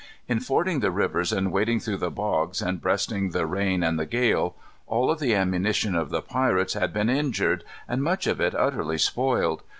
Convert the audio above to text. In fording the rivers and wading through the bogs, and breasting the rain and the gale, all of the ammunition of the pirates had been injured, and much of it utterly spoiled.